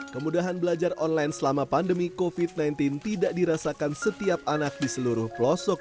kemudahan belajar online selama pandemi kofit sembilan belas tidak dirasakan setiap anak di seluruh pelosok